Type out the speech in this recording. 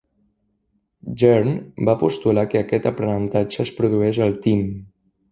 Jerne va postular que aquest aprenentatge es produeix al tim.